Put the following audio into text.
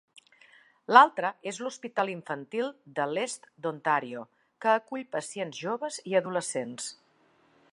L'altre és l'Hospital Infantil de l'Est d'Ontario, que acull pacients joves i adolescents.